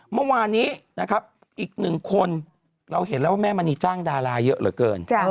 เมื่อวานนี้นะครับอีกหนึ่งคนเราเห็นแล้วว่าแม่มณีจ้างดาราเยอะเหลือเกิน